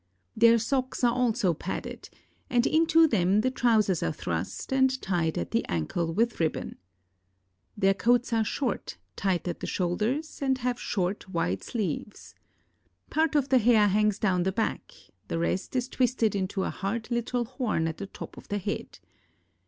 Their socks are also padded, and into them the trousers are thrust, and tied at the ankle with ribbon. Their coats are short, tight at the shoulders, and have short, wide sleeves. Part of the hair hangs down the back; the rest is twisted into a hard little horn at the top of the head.